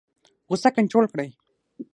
غوسه کنټرول کړئ